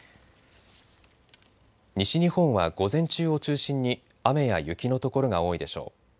西日本は午前中を中心に雨や雪の所が多いでしょう。